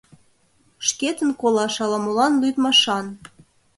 Шкетын колаш ала-молан лӱдмашан.